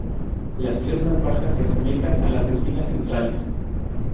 Las tres más bajas se asemejan a las espinas centrales.